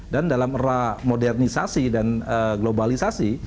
dan dalam era modernisasi dan globalisasi